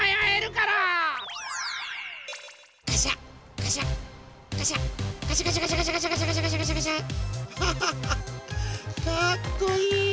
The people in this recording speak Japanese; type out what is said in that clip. かっこいい。